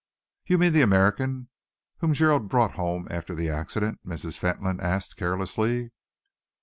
"You mean the American whom Gerald brought home after the accident?" Mrs. Fentolin asked carelessly.